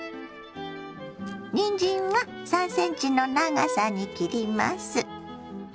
にんじんは３ｃｍの長さに切ります。